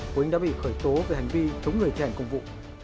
quỳnh đã bị khởi tố về hành vi chống người thi hành công vụ